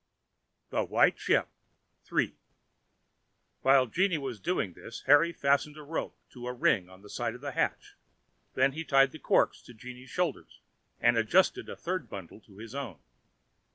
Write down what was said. THE WHITE SHIP.—III. While Jeanne was doing this, Harry fastened a rope to a ring in the side of the hatch; then he tied the corks on to Jeanne's shoulders, and adjusted the third bundle to his own.